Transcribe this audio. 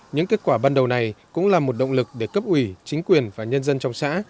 những kết quả ban đầu này cũng là một động lực để cấp ủy chính quyền và nhân dân trong xã